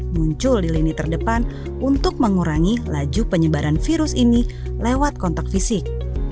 muncul di lini terdepan untuk mengurangi laju penyebaran virus ini lewat kontak fisik